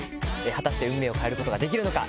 果たして運命を変えることができるのか？